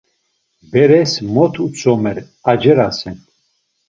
Beres mot utzumer, acerasen.